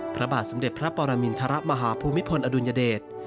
พระบาทสมเด็จพระปรมินทรมาฮภูมิพลอดุลยเดช